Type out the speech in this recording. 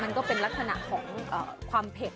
ก็เป็นลักษณะของความเผ็ด